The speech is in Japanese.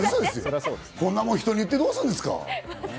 こんなもん人に言ってどうすんですか。